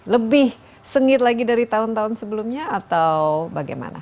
lebih sengit lagi dari tahun tahun sebelumnya atau bagaimana